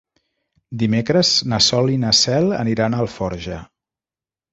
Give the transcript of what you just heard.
Dimecres na Sol i na Cel aniran a Alforja.